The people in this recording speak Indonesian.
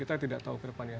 kita tidak tahu ke depannya